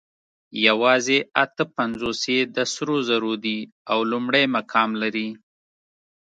یواځې اته پنځوس یې د سرو زرو دي او لومړی مقام لري